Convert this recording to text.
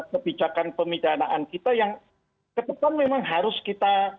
kebijakan pemidanaan kita yang ke depan memang harus kita